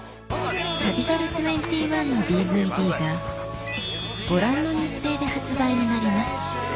『旅猿２１』のＤＶＤがご覧の日程で発売になります